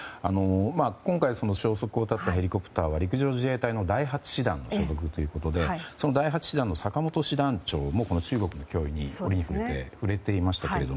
今回、消息を絶ったヘリコプターは陸上自衛隊の第８師団の所属ということでその第８師団の坂本師団長も中国の脅威に折にふれて触れていましたが。